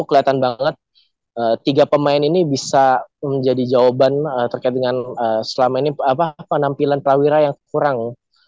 kelihatan banget tiga pemain ini bisa menjadi jawaban terkait dengan selama ini penampilan prawira yang kurang